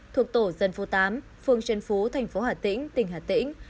thuộc tổ dân phố tám phương trân phú tp hà tĩnh tỉnh hà tĩnh